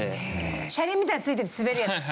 車輪みたいなのが付いてて滑るやつ。